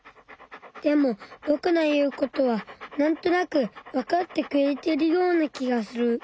でもぼくの言うことはなんとなくわかってくれてるような気がする。